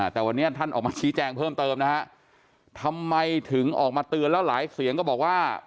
แต่วันนี้ท่านออกมาชี้แจงเพิ่มเติมนะฮะทำไมถึงออกมาเตือนแล้วหลายเสียงก็บอกว่า